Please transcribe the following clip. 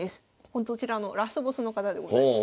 こちらのラスボスの方でございます。